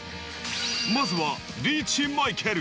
まずはリーチ・マイケル。